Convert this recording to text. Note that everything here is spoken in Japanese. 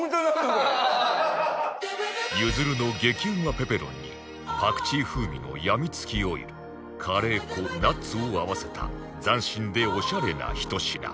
ゆずるの激うまぺペロンにパクチー風味のやみつきオイルカレー粉ナッツを合わせた斬新でオシャレな１品